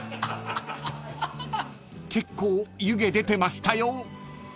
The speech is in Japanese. ［結構湯気出てましたよ］